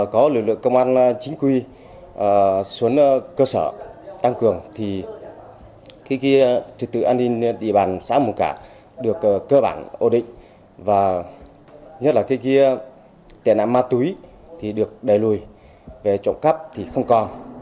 có lực lượng công an chính quy xuống cơ sở tăng cường thì cái kia trật tự an ninh địa bàn xã mù cả được cơ bản ô định và nhất là cái kia tệ nạn ma túi thì được đẩy lùi về trộm cắp thì không còn